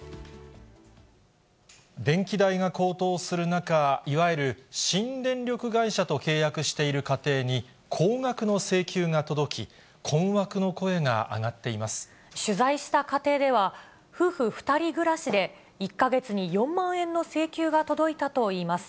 電気代が高騰する中、いわゆる新電力会社と契約している家庭に、高額の請求が届き、取材した家庭では、夫婦２人暮らしで、１か月に４万円の請求が届いたといいます。